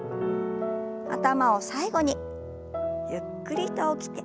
頭を最後にゆっくりと起きて。